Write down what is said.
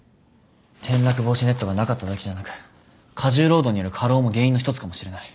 転落防止ネットがなかっただけじゃなく過重労働による過労も原因の一つかもしれない。